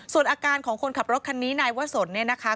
ส่วนอาการของคนขับรถคันนี้นายวะสนเนี่ยนะคะ